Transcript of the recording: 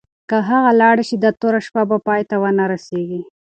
که هغه لاړه شي، دا توره شپه به پای ته ونه رسېږي.